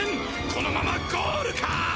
このままゴールか！？